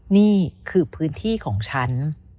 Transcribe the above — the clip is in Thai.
นี่คือพื้นที่ของฉัน